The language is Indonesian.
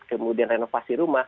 kemudian renovasi rumah